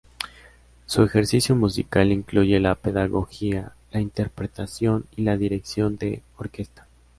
Su ejercicio musical incluye la pedagogía, la interpretación y la dirección de orquesta.